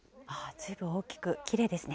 ずいぶん大きく、きれいですね。